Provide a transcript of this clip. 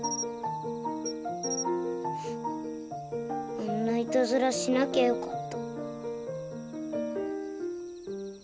あんないたずらしなきゃよかった。